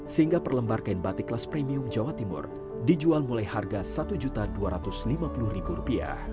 sehingga per lembar kain batik kelas premium jawa timur dijual mulai harga rp satu dua ratus lima puluh